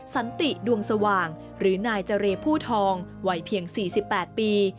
สันติดวงสว่างหรือนายเจรผู้ทองวัยเพียง๔๘ปี